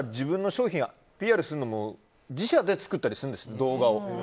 就職した時もＰＲするのも自社で作ったりするんです、動画を。